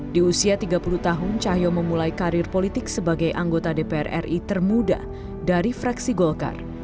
di usia tiga puluh tahun cahyo memulai karir politik sebagai anggota dpr ri termuda dari fraksi golkar